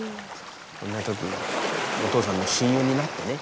そんなとき、お父さんの親友になってね。